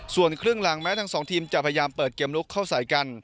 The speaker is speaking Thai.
ส่วนครึ่งหลังแม้ทั้งสองทีมจะพยายามเปิดเกมลุกเข้าใส่กัน